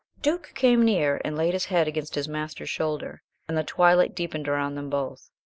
Duke came near and laid his head against his master's shoulder, and the twilight deepened around them both.